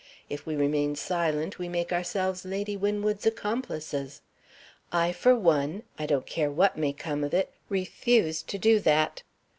If we remain silent we make ourselves Lady Winwood's accomplices. I, for one I don't care what may come of it refuse to do that."